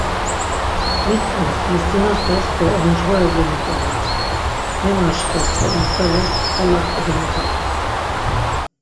Mitzves, misinapes do oncğore gemit̆ales, memaşkves do igzales, xvala kodomit̆ales.